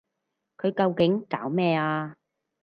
佢究竟搞咩啊？